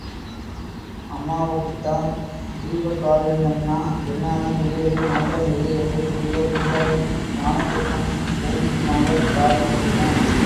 அம்மாவுக்குத்தான் ஜீவகாருண்யம்னா என்னான்னு புரியவே மாட்டங்குது..! என்று கூறிய பூபாலன் வானத்துக்கும் பூமிக்குமாகத் தாவிக் குதித்தான்.